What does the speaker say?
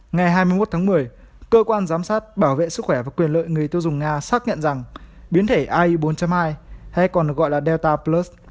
ngày hai mươi một tháng một mươi cơ quan giám sát bảo vệ sức khỏe và quyền lợi người tiêu dùng nga xác nhận rằng biến thể ai bốn hai hay còn gọi là delta plus